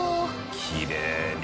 きれいに。